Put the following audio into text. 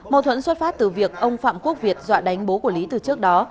mâu thuẫn xuất phát từ việc ông phạm quốc việt dọa đánh bố của lý từ trước đó